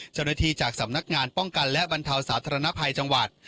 จากสำนักงานป้องกันและบรรเทาสาธารณภัยจังหวัด